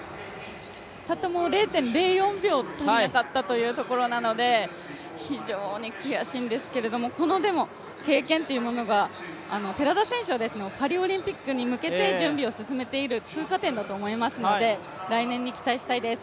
たった０．０４秒足りなかったというところなので非常に悔しいんですけれどもでもこの経験というのが寺田選手はパリオリンピックに向けて準備を進めている通過点だと思いますので来年に期待したいです。